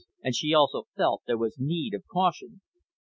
And she also felt there was need of caution.